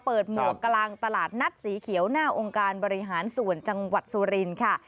หมวกกลางตลาดนัดสีเขียวหน้าองค์การบริหารส่วนจังหวัดสุรินค่ะ